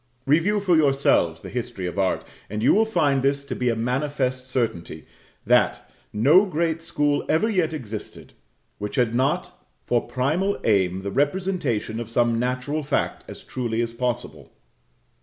Review for yourselves the history of art, and you will find this to be a manifest certainty, that _no great school ever yet existed which had not for primal aim the representation of some natural fact as truly as possible_.